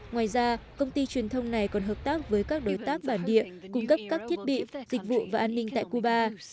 ngoài ra công ty truyền thông này còn hợp tác với các đối tác bản địa cung cấp các thiết bị dịch vụ và an ninh tại cuba